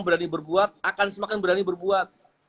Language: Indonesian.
berani berbuat akan semakin berani berbuat